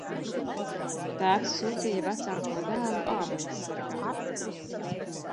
Tēvs sūtīja vecāko dēlu ābeles sargāt.